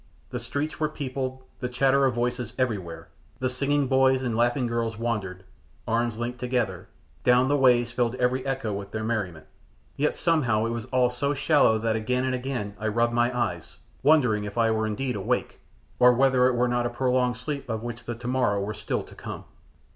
The streets were peopled, the chatter of voices everywhere, the singing boys and laughing girls wandering, arms linked together, down the ways filled every echo with their merriment, yet somehow it was all so shallow that again and again I rubbed my eyes, wondering if I were indeed awake, or whether it were not a prolonged sleep of which the tomorrow were still to come.